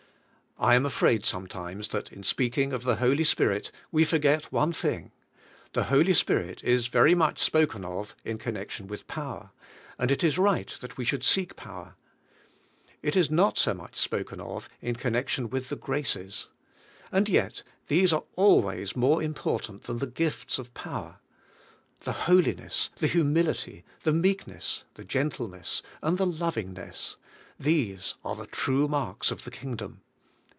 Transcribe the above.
I am afraid sometimes, that in speaking of the Holy Spirit we forget one thing. The Holy Spirit is very much spoken of in connection with power; and it is right that we should seek power. It is not so much spoken of in connection with the graces. And yet these are always more important than the gifts of power — the holiness, the humility, the meekness, the gen tleness, and the lovingness; these are the true marks of the Kingdom.